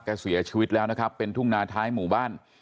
เสียชีวิตแล้วนะครับเป็นทุ่งนาท้ายหมู่บ้าน